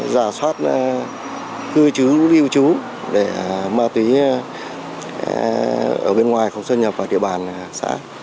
giả soát cư trú lưu trú để ma tuy ở bên ngoài không xuất nhập vào địa bàn xã